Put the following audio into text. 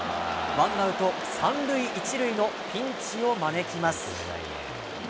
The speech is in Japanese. ワンアウト３塁１塁のピンチを招きます。